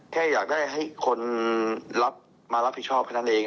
แค่อยากได้ให้คนรับมารับผิดชอบแค่นั้นเอง